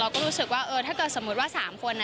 เราก็รู้สึกว่าถ้าสมมุติว่าสามคน